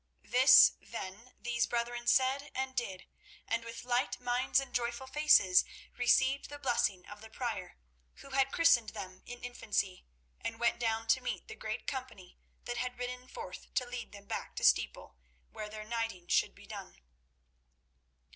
This, then, these brethren said and did, and with light minds and joyful faces received the blessing of the Prior, who had christened them in infancy, and went down to meet the great company that had ridden forth to lead them back to Steeple, where their knighting should be done.